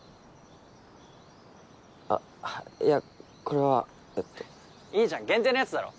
あっいやこれはえっといいじゃん限定のやつだろ？